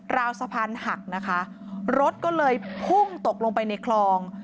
ราวสะพานหักนะคะรถก็เลยพุ่งตกลงไปในคลอง